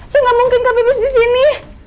saya gak mungkin ke pipis di sini